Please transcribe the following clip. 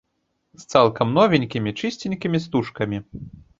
З цалкам новенькімі, чысценькімі стужкамі.